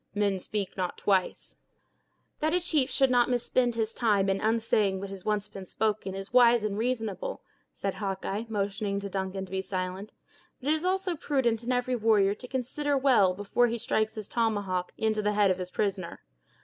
"Men speak not twice." "That a chief should not misspend his time in unsaying what has once been spoken is wise and reasonable," said Hawkeye, motioning to Duncan to be silent; "but it is also prudent in every warrior to consider well before he strikes his tomahawk into the head of his prisoner.